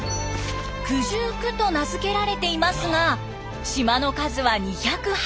「九十九」と名付けられていますが島の数は２０８。